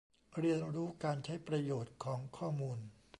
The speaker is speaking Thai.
เรียนรู้การใช้ประโยชน์ของข้อมูล